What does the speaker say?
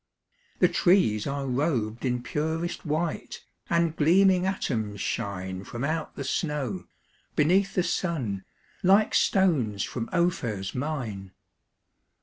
The trees are rob'd in purest white, And gleaming atoms shine From out the snow, beneath the sun, Like stones from Ophir's mine.